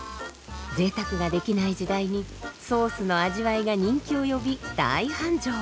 ぜいたくができない時代にソースの味わいが人気を呼び大繁盛。